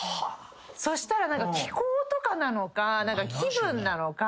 そしたら気候とかなのか気分なのか。